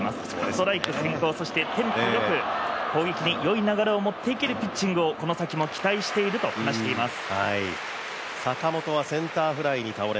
ストライク先行そしてテンポよく攻撃によい流れを持っていけるピッチングをこの先も期待していると話しています。